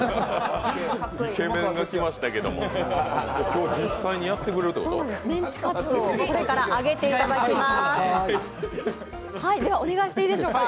今日、実際にやってくれるってことメンチカツをこれから揚げていただきます。